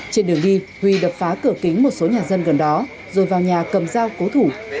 trên đường đi huy đập phá cửa kính một số nhà dân gần đó rồi vào nhà cầm dao cố thủ